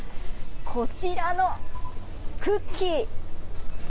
こちらのクッキー。